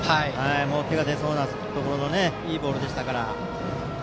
手が出そうなところいいボールでしたから。